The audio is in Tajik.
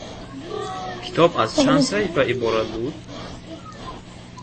Китоб аз чанд саҳифа иборат буд?